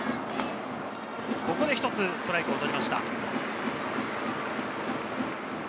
ここで一つ、ストライクを取りました。